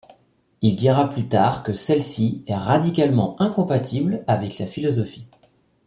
Il dira plus tard que celle-ci est radicalement incompatible avec la philosophie.